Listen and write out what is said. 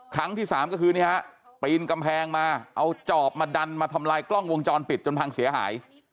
ครั้งที่สามก็คือนี่ฮะปีนกำแพงมาเอาจอบมาดันมาทำลายกล้องวงจรปิดจนพังเสียหาย